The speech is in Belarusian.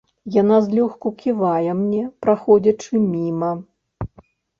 Яна злёгку ківае мне, праходзячы міма.